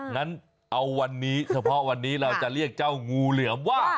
งั้นเอาวันนี้เฉพาะวันนี้เราจะเรียกเจ้างูเหลือมว่า